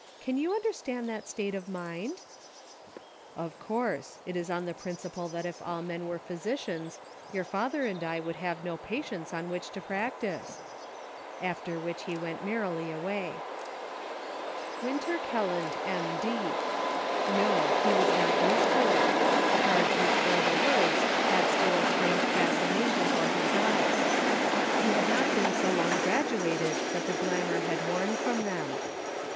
Can you understand that state of mind ?"" Of course ; it is on the principle that if all men were physicians, your father and I would have no patients on which to practise. '" After which he went merrily away. 294 HOME. "Winter Kelland, M. D." No, he was not used to it ; the cards which bore the words had still a strange fascination for his eyes. He had not been so long graduated that the glamour had worn from them.